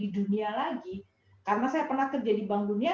di dunia lagi karena saya pernah kerja di bank dunia